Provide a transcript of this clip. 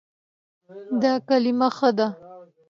دا کلمه ښه ده